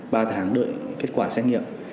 ba tháng đợi kết quả xét nghiệm